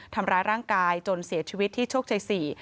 ทำร้ายร่างกายจนเสียชีวิตที่โชคชัย๔